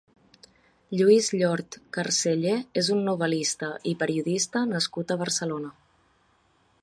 Lluís Llort Carceller és un novel·lista i periodista nascut a Barcelona.